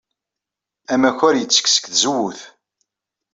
Amakar yettekk seg tzewwut.